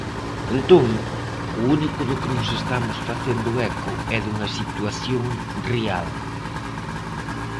Entón, o único do que nos estamos facendo eco é dunha situación real.